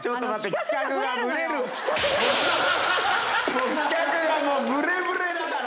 企画がもうブレブレだから！